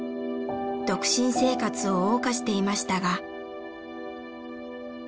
独身生活を謳歌していましたが。